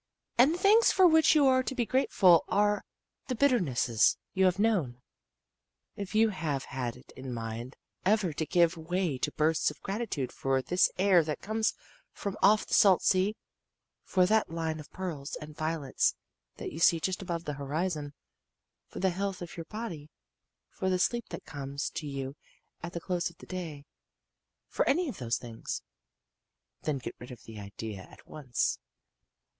And the things for which you are to be grateful are the bitternesses you have known. If you have had it in mind ever to give way to bursts of gratitude for this air that comes from off the salt sea, for that line of pearls and violets that you see just above the horizon, for the health of your body, for the sleep that comes to you at the close of the day, for any of those things, then get rid of the idea at once.